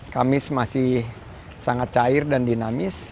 kamis masih sangat cair dan dinamis